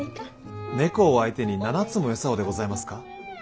猫を相手に７つも餌をでございますか。